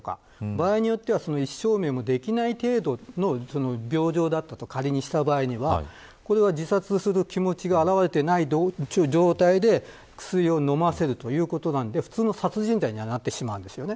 場合によっては意思表明もできない程度の病状だったと仮にした場合自殺する気持ちが表れていない状態で薬を飲ませるということなんで普通は殺人罪になってしまいます。